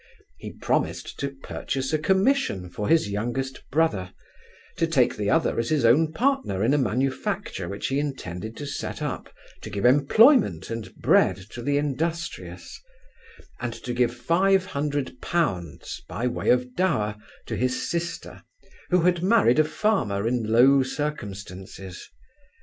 He promised to purchase a commission for his youngest brother; to take the other as his own partner in a manufacture which he intended to set up, to give employment and bread to the industrious; and to give five hundred pounds, by way of dower, to his sister, who had married a farmer in low circumstances.